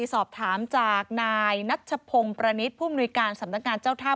สอบถามจากนายนัชพงศ์ประนิษฐ์ผู้มนุยการสำนักงานเจ้าท่า